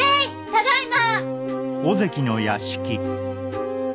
ただいま。